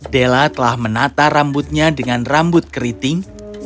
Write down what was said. della telah menata rambutnya dengan rambut keriting